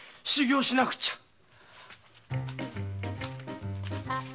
修業しなくっちゃ。